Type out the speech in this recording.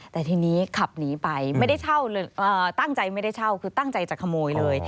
แต่ทีนี้ขับหนีไปตั้งใจจะขโมยเลย